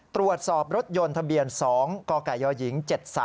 ตรวจสอบรถยนต์ทะเบียน๒กกยหญิง๗๓